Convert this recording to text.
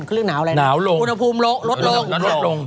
เขาเรียกหนาวอะไรนะอุณหภูมิลดลง